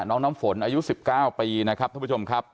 น้องน้ำฝนอายุสิบเก้าปีนะครับทุกผู้ชมครับ